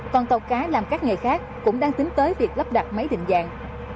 còn tàu cá làm các nghề khác cũng đang tính tới việc lắp đặt máy định dạng